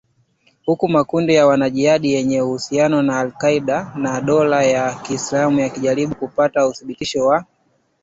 huku makundi ya wanajihadi yenye uhusiano na al-Qaeda na na dola ya Kiislamu yakijaribu kupata udhibiti wa